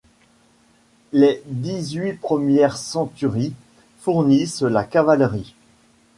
Les dix-huit premières centuries fournissent la cavalerie.